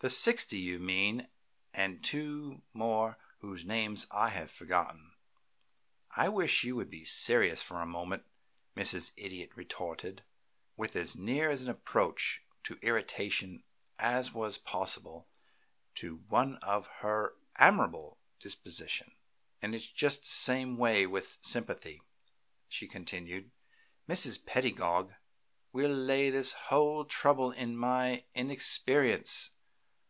"The sixty you mean and two more whose names I have forgotten." "I wish you would be serious for a moment," Mrs. Idiot retorted, with as near an approach to irritation as was possible to one of her amiable disposition. "And it's just the same way with sympathy," she continued; "Mrs. Pedagog will lay this whole trouble to my inexperience.